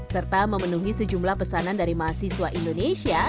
serta memenuhi sejumlah pesanan dari mahasiswa indonesia